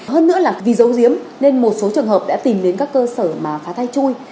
hơn nữa là vì dấu diếm nên một số trường hợp đã tìm đến các cơ sở mà phá tay chui